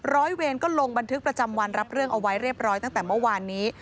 ร้อยเวรก็ลงบันทึกประจำวันรับเรื่องเอาไว้เรียบร้อยตั้งแต่เมื่อวานนี้